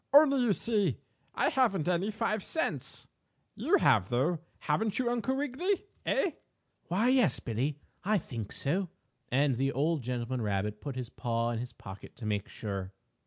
"Only, you see, I haven't any five cents. You have, though, haven't you Uncle Wiggily? Eh?" "Why, yes, Billie, I think so," and the old gentleman rabbit put his paw in his pocket to make sure.